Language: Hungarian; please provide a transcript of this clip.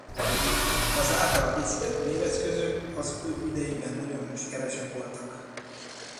Az általa készített mérőeszközök az ő idejében nagyon sikeresek voltak.